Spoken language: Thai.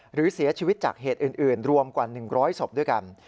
หรือเสียชีวิตจากเหตุอื่นรวมกว่า๑๐๐ศพด้วยกัน